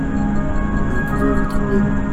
Vous pouvez vous trouver.